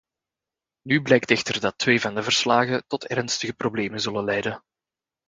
Nu blijkt echter dat twee van de verslagen tot ernstige problemen zullen leiden.